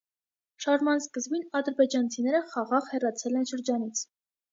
Շարժման սկզբին ադրբեջանցիները խաղաղ հեռացել են շրջանից։